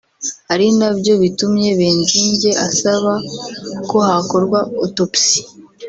ari na byo bitumye Benzinge asaba ko hakorwa «autopsie»